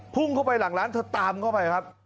พุ่งเข้าไปหลังร้านเธอตามเข้าไปครับ